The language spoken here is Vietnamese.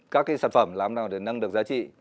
các cái sản phẩm làm nào để nâng được giá trị